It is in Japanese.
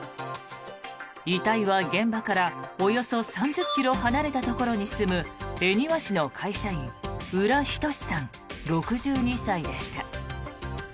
遺体は現場から、およそ３０ｋｍ離れたところに住む恵庭市の会社員浦仁志さん、６２歳でした。